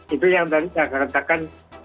itu yang tadi saya katakan